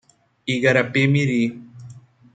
Igarapé-miri